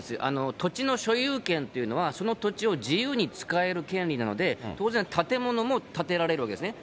土地の所有権というのはその土地を自由に使える権利なので、当然、建物も建てられるわけですね。